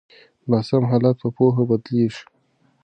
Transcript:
ناسم حالات په پوهه بدلیږي.